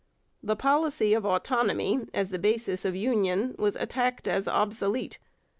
The policy of autonomy as the basis of union was attacked as obsolete.